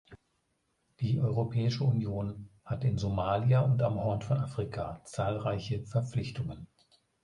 Die Europäische Union hat in Somalia und am Horn von Afrika zahlreiche Verpflichtungen.